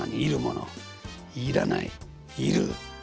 いらないいる。